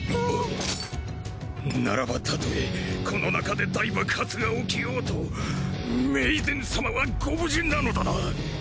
ならばたとえこの中で大爆発が起きようとメイデン様はご無事なのだな。